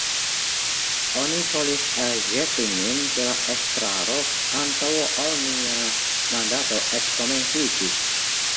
Oni volis elĵeti min de la estraro antaŭ ol mia mandato eĉ komenciĝis!